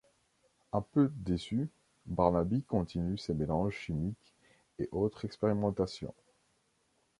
Un peu déçu, Barnaby continue ses mélanges chimiques et autres expérimentations.